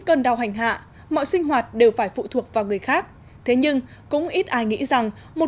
cơn đau hành hạ mọi sinh hoạt đều phải phụ thuộc vào người khác thế nhưng cũng ít ai nghĩ rằng một